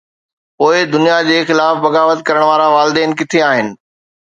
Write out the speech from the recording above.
پوءِ دنيا جي خلاف بغاوت ڪرڻ وارا، والدين ڪٿي آهن؟